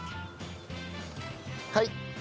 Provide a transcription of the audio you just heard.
はい。